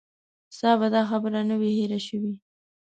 ستا به دا خبره نه وي هېره شوې.